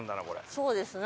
そうですな。